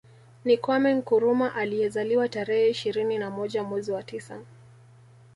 Ni Kwame Nkrumah aliyezaliwa tarehe ishirini na moja mwezi wa tisa